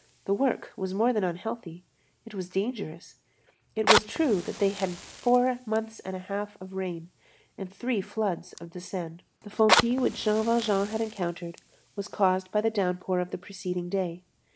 The work was more than unhealthy; it was dangerous. It is true that they had four months and a half of rain, and three floods of the Seine. The fontis which Jean Valjean had encountered was caused by the downpour of the preceding day.